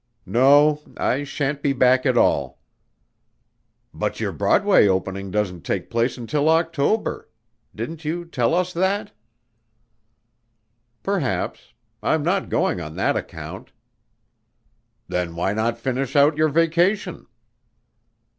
"No. I sha'n't be back at all." "But your Broadway opening doesn't take place until October? Didn't you tell us that?" "Perhaps. I'm not going on that account." "Then why not finish out your vacation?"